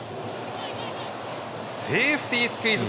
セーフティースクイズ！